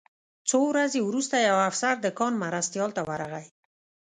څو ورځې وروسته یو افسر د کان مرستیال ته ورغی